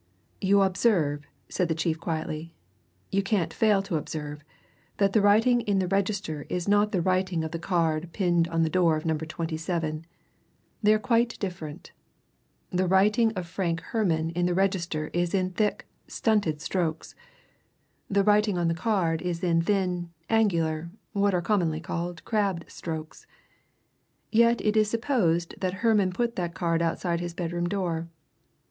"You observe," said the chief quietly, "you can't fail to observe that the writing in the register, is not the writing of the card pinned on the door of Number 27. They are quite different. The writing of Frank Herman in the register is in thick, stunted strokes; the writing on the card is in thin, angular, what are commonly called crabbed strokes. Yet it is supposed that Herman put that card outside his bedroom door.